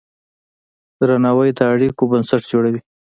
درناوی د اړیکو بنسټ جوړوي.